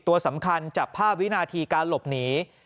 ตัวสำคัญจับภาพวินาทีการหลบหนี